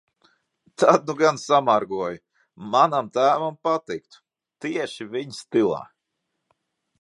Tad nu gan samargoju! Manam tēvam patiktu. Tieši viņa stilā...